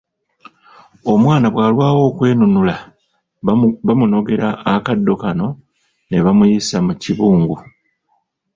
Omwana bwalwawo okwenunula bamunogera akaddo kano ne bamuyisa mu kibungu.